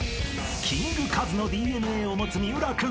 ［キングカズのＤＮＡを持つ三浦君。